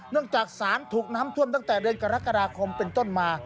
จากศาลถูกน้ำท่วมตั้งแต่เดือนกรกฎาคมเป็นต้นมา